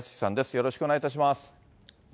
よろしくお願いします。